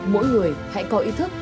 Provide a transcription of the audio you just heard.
mỗi người hãy có ý thức